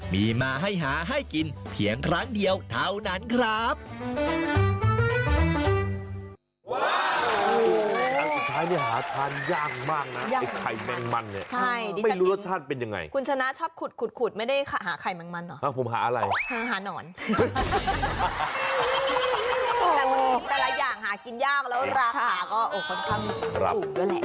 มีมาให้หาให้กินเพียงครั้งเดียวเท่านั้นครับ